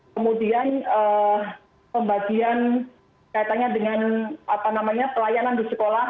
kemudian pembagian kaitannya dengan pelayanan di sekolah